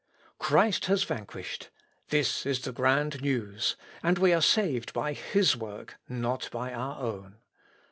"Christ has vanquished; this is the grand news; and we are saved by his work, not by our own.